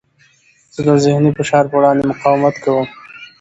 زه د ذهني فشار په وړاندې مقاومت کوم.